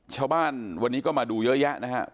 ชาวบ้านวันนี้ก็มาดูเยอะแยะนะฮะ